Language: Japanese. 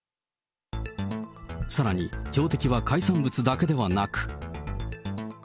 さらに標的は海産物だけではなく。